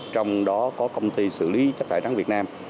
trong đó có công ty xử lý chất thải rắn việt nam